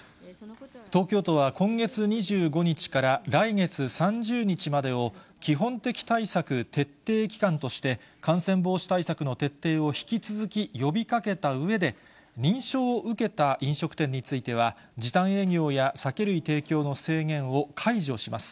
東京都は今月２５日から来月３０日までを、基本的対策徹底期間として、感染防止対策の徹底を引き続き呼びかけたうえで、認証を受けた飲食店については、時短営業や酒類提供の制限を解除します。